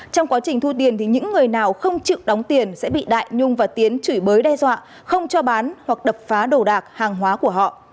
trong quá trình thu tiền thì những người nào không chịu đóng tiền sẽ bị đại nhung và tiến chửi bới đe dọa không cho bán hoặc đập phá đồ đạc hàng hóa của họ